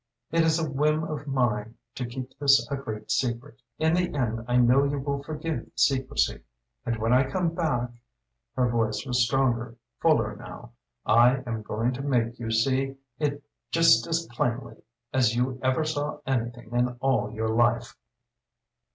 It is a whim of mine to keep this a great secret; in the end I know you will forgive the secrecy. And when I come back" her voice was stronger, fuller now "I am going to make you see it just as plainly as you ever saw anything in all your life!"